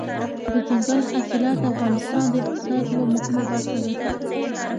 دځنګل حاصلات د افغانستان د اقتصاد یوه مهمه برخه ده.